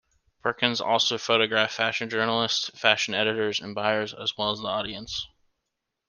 Perkins also photographed fashion journalists, fashion editors and buyers as well as the audience.